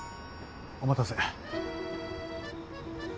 おまたせ。